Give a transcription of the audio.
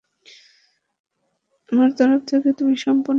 আমার তরফ থেকে তুমি সম্পূর্ণ নিরাপদ।